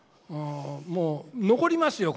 もう残りますよ